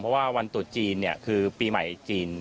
เพราะว่าวันตุดจีนเนี่ยคือปีใหม่จีน